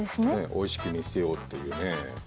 おいしく見せようっていうね。